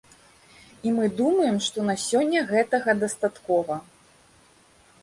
І мы думаем, што на сёння гэтага дастаткова.